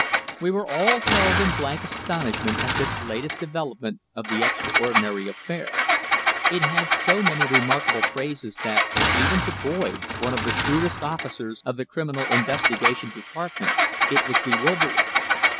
We were all held in blank astonishment at this latest development of the extraordinary affair. It had so many remarkable phases that, even to Boyd, one of the shrewdest officers of the Criminal Investigation Department, it was bewildering.